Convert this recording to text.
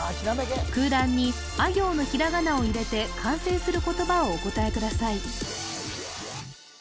空欄にあ行のひらがなを入れて完成する言葉をお答えください